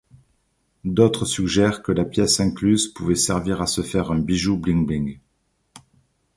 D'autres suggèrent que la pièce incluse pouvait servir à se faire un bijou bling-bling.